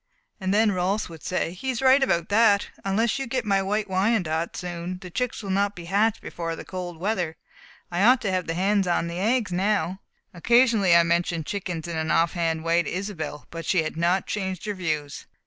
And then Rolfs would say: "He is right about that. Unless you get my White Wyandottes soon, the chicks will not be hatched out before cold weather. I ought to have the hens on the eggs now." Occasionally I mentioned chickens in an off hand way to Isobel, but she had not changed her views.